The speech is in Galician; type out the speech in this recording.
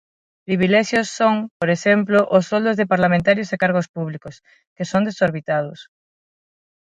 Privilexios son, por exemplo, os soldos de parlamentarios e cargos públicos, que son desorbitados.